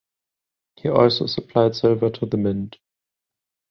He also supplied silver to the mint.